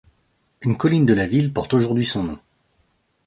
Une colline de la ville porte aujourd'hui son nom.